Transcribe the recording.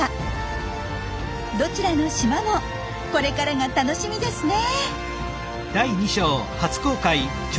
どちらの島もこれからが楽しみですね！